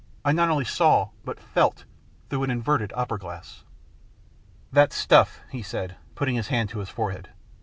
I not only saw but felt through an inverted opera glass. " That stuff/' he said. He put his hand to his forehead.